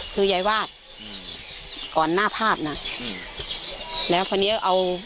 คือยายวาดอืมก่อนหน้าภาพน่ะอืมแล้วพอเนี้ยเอา